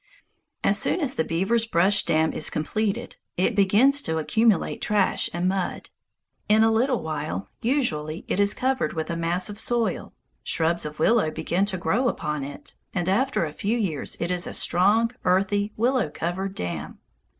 As soon as the beaver's brush dam is completed, it begins to accumulate trash and mud. In a little while, usually, it is covered with a mass of soil, shrubs of willow begin to grow upon it, and after a few years it is a strong, earthy, willow covered dam.